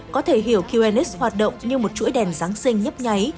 có thể hiểu qnx hoạt động như một chuỗi đèn giáng sinh nhấp nháy